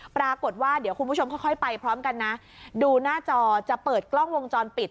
ปรากฏว่าเดี๋ยวคุณผู้ชมค่อยไปพร้อมกันนะดูหน้าจอจะเปิดกล้องวงจรปิด